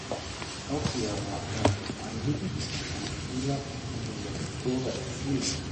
Auch hier war er auf Anhieb Stammspieler und konnte sechs Tore erzielen.